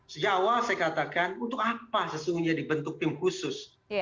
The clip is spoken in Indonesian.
sejak awal saya katakan untuk apa sesungguhnya dibentuk tim khusus